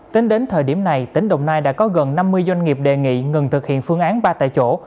tính đến thời điểm này tỉnh đồng nai đã có gần năm mươi doanh nghiệp đề nghị ngừng thực hiện phương án ba tại chỗ